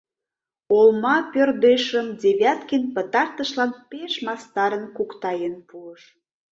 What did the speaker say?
«Олма пӧрдешым» Девяткин пытартышлан пеш мастарын куктаен пуыш.